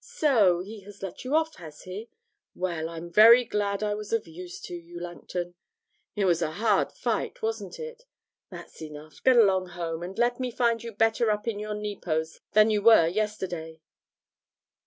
So, he has let you off, has he? Well, I'm very glad I was of use to you, Langton. It was a hard fight, wasn't it? That's enough, get along home, and let me find you better up in your Nepos than you were yesterday.'